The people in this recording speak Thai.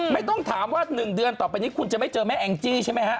ไม่ต้องถามว่า๑เดือนต่อไปนี้คุณจะไม่เจอแม่แองจี้ใช่ไหมฮะ